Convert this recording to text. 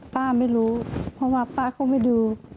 ป้าไม่รู้เพราะว่าป้าเขาไม่ดู